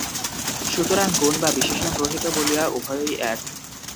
সুতরাং গুণ বা বিশেষণ-রহিত বলিয়া উভয়ই এক।